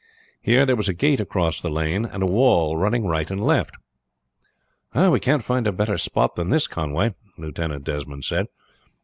Here there was a gate across the lane, and a wall running right and left. "We can't find a better spot than this, Conway," Lieutenant Desmond said.